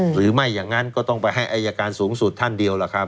หรือไม่อย่างนั้นก็ต้องไปให้อายการสูงสุดท่านเดียวล่ะครับ